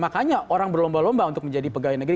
makanya orang berlomba lomba untuk menjadi pegawai negeri